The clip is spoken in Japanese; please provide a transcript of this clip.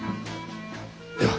では。